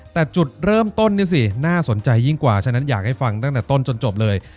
แต่จุดเริ่มต้นนี่สิน่าสนใจยิ่งกว่าฉะนั้นอยากให้ฟังตั้งแต่ต้นจนจบเลย